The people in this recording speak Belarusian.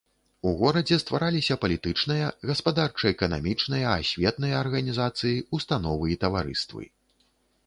У горадзе ствараліся палітычныя, гаспадарча-эканамічныя, асветныя арганізацыі, установы і таварыствы.